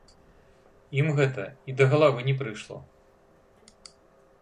Ім гэта і да галавы не прыйшло.